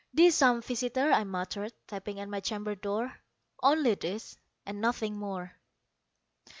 "'Tis some visitor," I muttered, "tapping at my chamber door Only this, and nothing more."